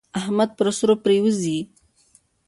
احمد پر سرو پرېوزي.